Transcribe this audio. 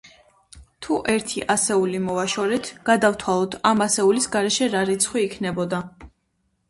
თუ ერთი ასეული მოვაშორეთ, გადავთვალოთ ამ ასეულის გარეშე რა რიცხვი იქნებოდა.